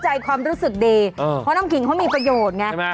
ใช้เมียได้ตลอด